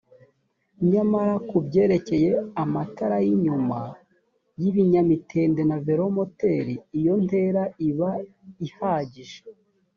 nyamara ku byerekeye amatara y’inyuma y’ibinyamitende na velomoteri iyo ntera iba ihagije